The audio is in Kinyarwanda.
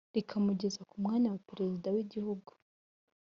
rikamugeza ku mwanya wa perezida w’igihugu